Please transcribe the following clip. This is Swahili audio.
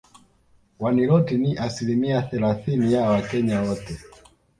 Waniloti ni asilimia thellathini ya Wakenya wote